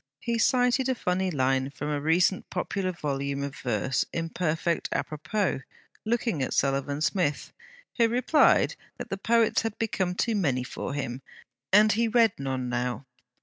He cited a funny line from a recent popular volume of verse, in perfect A propos, looking at Sullivan Smith; who replied, that the poets had become too many for him, and he read none now.